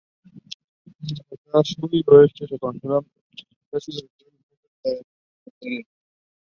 The West Bokaro Division of Tata Steel is located here.